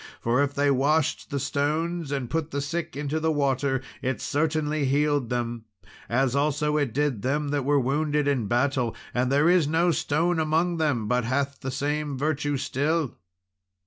For if they washed the stones and put the sick into the water, it certainly healed them, as also it did them that were wounded in battle; and there is no stone among them but hath the same virtue still."